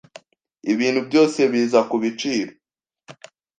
Ibintu byose biza kubiciro.